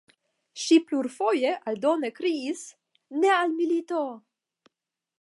Ŝi plurfoje aldone kriis "Ne al milito!".